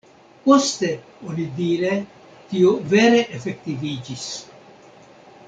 Poste onidire tio vere efektiviĝis.